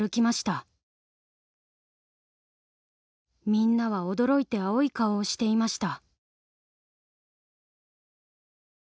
みんなは驚いて青い顔をしていました。